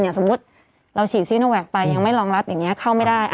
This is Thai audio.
สมมุติเราฉีดซีโนแวคไปยังไม่รองรับอย่างนี้เข้าไม่ได้